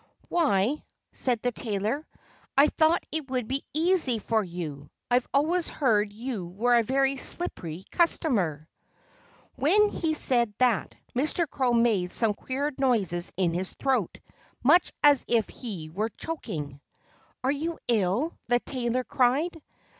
"Why " said the tailor "I thought it would be easy for you. I've always heard you were a very slippery customer." When he said that, Mr. Crow made some queer noises in his throat, much as if he were choking. "Are you ill?" the tailor cried.